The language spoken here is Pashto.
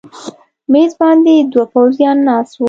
مېز باندې دوه پوځیان ناست و.